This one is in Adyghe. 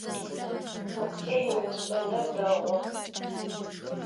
Xokkêy vuêş'enır değu.